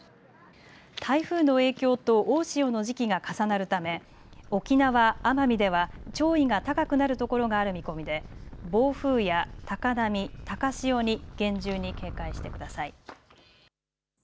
台風の影響と大潮の時期が重なるため沖縄・奄美では潮位が高くなるところがある見込みで暴風や高波、高潮に厳重に警戒してください。